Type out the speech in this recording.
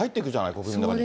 国民の中に。